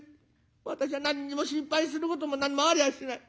私は何にも心配することも何もありゃあしない。